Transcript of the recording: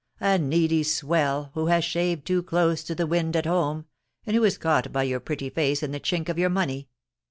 A needy swell, who has shaved too close to the wind at home, and who is caught by your pretty face and the chink of your money.